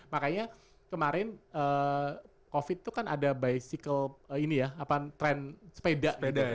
makanya kemarin covid itu kan ada bicycle ini ya apaan tren sepeda gitu